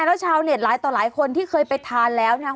แล้วชาวเน็ตหลายต่อหลายคนที่เคยไปทานแล้วนะครับ